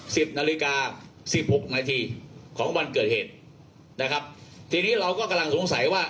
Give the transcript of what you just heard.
สิบนาฬิกาสิบหกนาทีของวันเกิดเหตุนะครับทีนี้เราก็กำลังสงสัยว่า